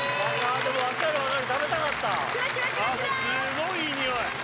あもうすごいいい匂い。